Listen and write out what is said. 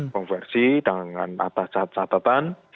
konversi dengan atas catatan